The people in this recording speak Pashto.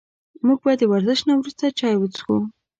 موږ به د ورزش نه وروسته چای وڅښو